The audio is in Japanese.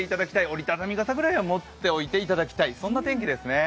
折り畳み傘ぐらいは持っておいていただきたい、そんな天気ですね。